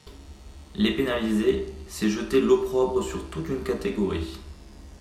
Les pénaliser, c’est jeter l’opprobre sur toute une catégorie.